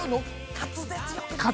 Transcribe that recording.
滑舌よく。